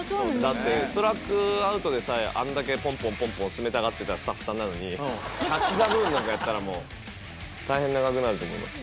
ストラックアウトでさえあれだけポンポンポンポン進めたがってたスタッフさんなのに『キャッチ・ザ・ムーン』やったら大変長くなると思います。